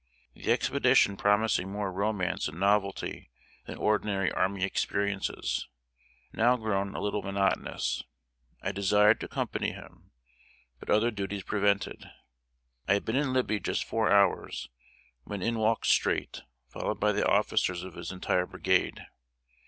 The expedition promising more romance and novelty than ordinary army experiences, now grown a little monotonous, I desired to accompany him; but other duties prevented. I had been in Libby just four hours, when in walked Streight, followed by the officers of his entire brigade.